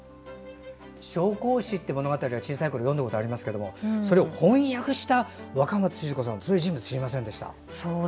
「小公子」って物語は小さいころ読んだことがありますがそれを翻訳した若松賤子という人物は知りませんでした。